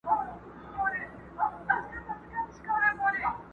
حسن پرست يم د ښکلا تصوير ساتم په زړه کي.